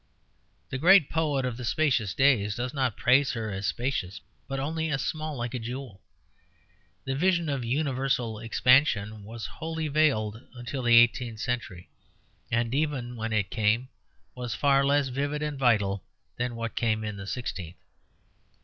The great poet of the spacious days does not praise her as spacious, but only as small, like a jewel. The vision of universal expansion was wholly veiled until the eighteenth century; and even when it came it was far less vivid and vital than what came in the sixteenth.